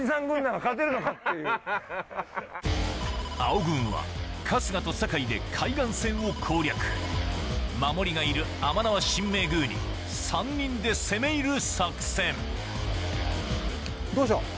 青軍は春日と酒井で海岸線を攻略守りがいる甘縄神明宮に３人で攻め入る作戦どうしよう？